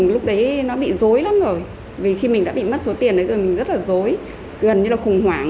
lúc đấy nó bị dối lắm rồi vì khi mình đã bị mất số tiền đấy rồi mình rất là dối gần như là khủng hoảng